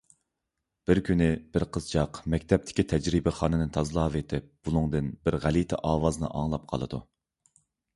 بىر كۈنى بىر قىزچاق مەكتەپتىكى تەجرىبىخانىنى تازىلاۋېتىپ بۇلۇڭدىن بىر غەلىتە ئاۋازنى ئاڭلاپ قالىدۇ.